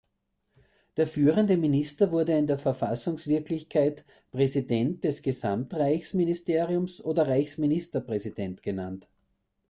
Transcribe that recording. Der führende Minister wurde in der Verfassungswirklichkeit "Präsident des Gesamt-Reichsministeriums" oder "Reichsministerpräsident" genannt.